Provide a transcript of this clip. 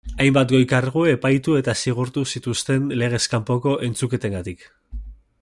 Hainbat goi kargu epaitu eta zigortu zituzten legez kanpoko entzuketengatik.